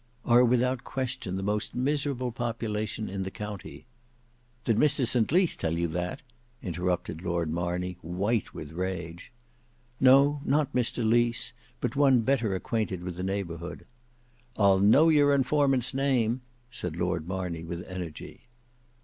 "Are without question the most miserable population in the county." "Did Mr St Lys tell you that?" interrupted Lord Marney, white with rage. "No, not Mr Lys, but one better acquainted with the neighbourhood." "I'll know your informant's name," said Lord Marney with energy.